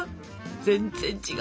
全然違う。